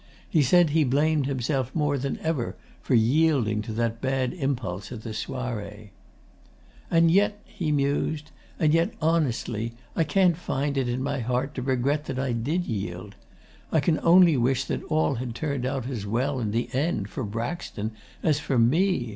He said he blamed himself more than ever for yielding to that bad impulse at that Soiree. 'And yet,' he mused, 'and yet, honestly, I can't find it in my heart to regret that I did yield. I can only wish that all had turned out as well, in the end, for Braxton as for me.